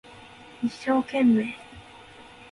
一生懸命